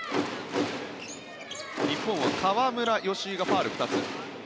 日本は河村、吉井がファウル２つ。